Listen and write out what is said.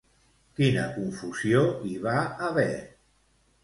Quina confusió hi va haver?